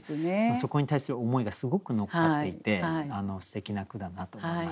そこに対する思いがすごく乗っかっていてすてきな句だなと思いました。